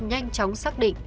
nhanh chóng xác định